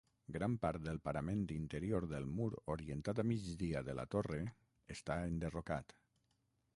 Gran part del parament interior del mur orientat a migdia de la torre està enderrocat.